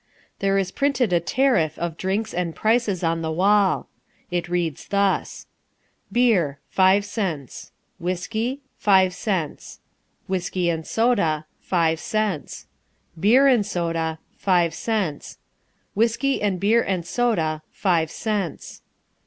There is printed a tariff of drinks and prices on the wall. It reads thus: Beer ............ 5 cents. Whisky. ......... 5 cents. Whisky and Soda. ...... 5 cents. Beer and Soda ...... 5 cents. Whisky and Beer and Soda .. 5 cents.